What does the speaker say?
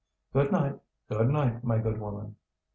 "Good night, good night, my good woman."